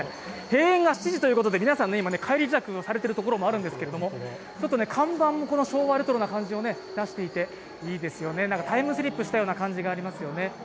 閉園が７時ということで皆さん、今、帰り支度しているところもあるんですが看板も昭和レトロな感じを出していて、いいですよね、タイムスリップしたような感じがありますよね。